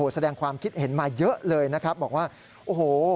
แสดงความคิดเห็นมาเยอะเลยนะครับบอกว่าโอ้โห